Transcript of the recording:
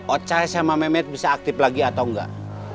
ocah sama mehmet bisa aktif lagi atau enggak